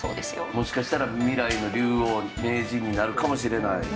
もしかしたら未来の竜王名人になるかもしれない。